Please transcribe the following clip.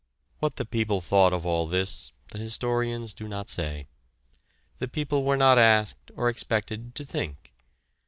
What the people thought of all this, the historians do not say. The people were not asked or expected to think.